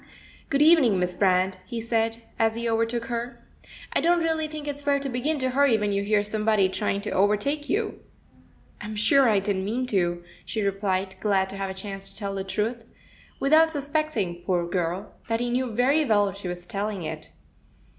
"Good evening, Miss Brand," he said, as he over took her. "I don't really think it's fair to begin to hurry when you hear somebody trying to overtake you. "I'm sure I didn't mean to," she replied, glad to have a chance to tell the truth, without suspecting, poor girl, that he knew very well she was telling it.